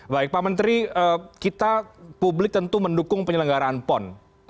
baik pak menteri kita publik tentu mendukung penyelenggaraan pon